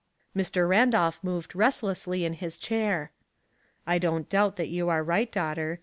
Mr. Randolph moved restlessly in his chair. " I don't doubt that you are right, daughter.